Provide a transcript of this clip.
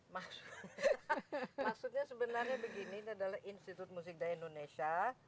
maksudnya sebenarnya begini ini adalah institut musik daya indonesia